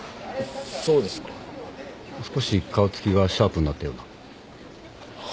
少し顔つきがシャープになったような。